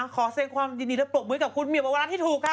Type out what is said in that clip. ขอเส้นความดินดับปลูกมือยกับคุณแมวเวลาที่ถูกค่ะ